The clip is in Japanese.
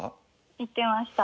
行ってました。